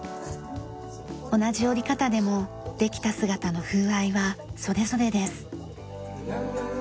同じ折り方でもできた姿の風合いはそれぞれです。